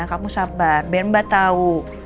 kamu sabar biar mbak tahu